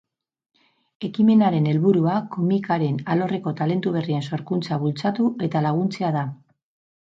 Ekimenaren helburua komikaren alorreko talentu berrien sorkuntza bultzatu eta laguntzea da.